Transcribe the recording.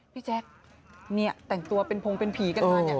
พี่แจ๊คเนี่ยแต่งตัวเป็นพงเป็นผีกันมาเนี่ย